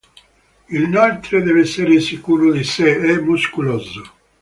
Inoltre deve essere sicuro di sé, e muscoloso.